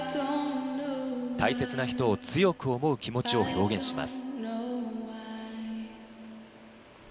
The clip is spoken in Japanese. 大切な人を強く思う気持ちを表現します。